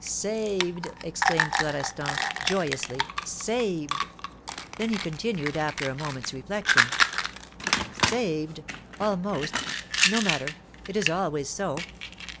"Saved!" exclaimed Florestan, joyously, "saved!" Then he continued, after a moment's reflection: "Saved almost no matter it is always so.